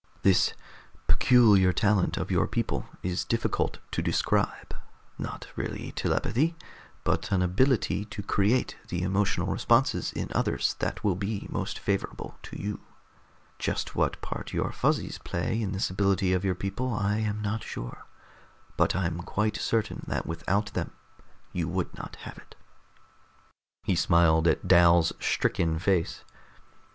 This peculiar talent of your people is difficult to describe: not really telepathy, but an ability to create the emotional responses in others that will be most favorable to you. Just what part your Fuzzies play in this ability of your people I am not sure, but I'm quite certain that without them you would not have it." He smiled at Dal's stricken face.